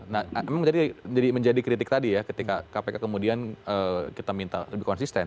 nah memang menjadi kritik tadi ya ketika kpk kemudian kita minta lebih konsisten